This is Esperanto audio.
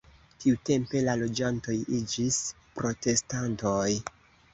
Tiutempe la loĝantoj iĝis protestantoj.